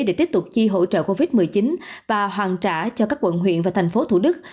để tiếp tục chi hỗ trợ covid một mươi chín và hoàn trả cho các quận huyện và thành phố thủ đức